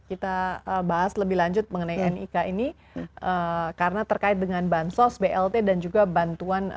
kita bahas lebih lanjut mengenai nik ini karena terkait dengan bansos blt dan juga bantuan